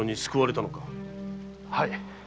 はい。